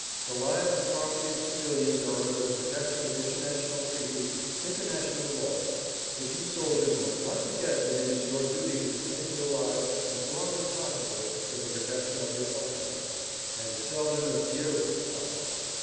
The lives and property of civilians are under the protection of international treaties, international law, but you soldiers must not forget that it is your duty to defend your lives as long as possible for the protection of your Fatherland, and to sell them as dearly as possible.